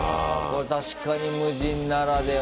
これ確かに無人ならではだ。